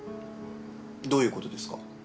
どういうことですか？